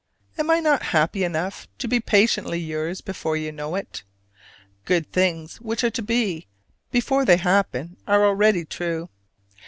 Am I not happy enough to be patiently yours before you know it? Good things which are to be, before they happen are already true.